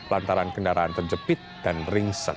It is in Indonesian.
lantaran kendaraan terjepit dan ringsek